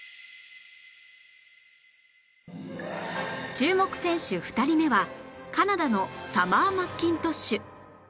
注目選手２人目はカナダのサマー・マッキントッシュ